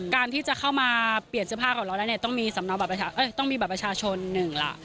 การที่จะเข้ามาเปลี่ยนเสื้อผ้าของเราต้องมีบัตรประชาชนหนึ่ง